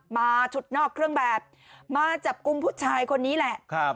มาชุดนอกเครื่องแบบมาจับกลุ่มผู้ชายคนนี้แหละ